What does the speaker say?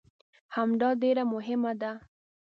همدا ډېره مهمه ده.